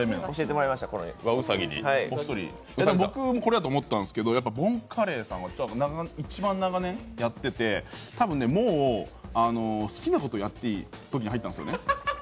僕もこれやと思ったんですけどボンカレーさんは一番長年やってらして、多分、もう好きなことやっていいときに入ったんですよね。